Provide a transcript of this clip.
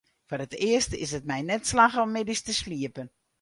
Foar it earst is it my net slagge om middeis te sliepen.